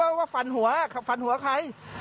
ไอหี้ว่าฟันหัวฟันหัวใคร